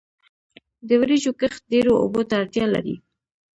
د وریجو کښت ډیرو اوبو ته اړتیا لري.